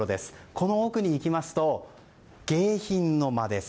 この奥に行きますと迎賓の間です。